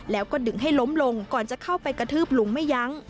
แล้วก็ดึงให้ล้มลงก่อนจะเข้าไปกระทืบลุงไม่ยั้ง